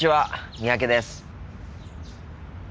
三宅です。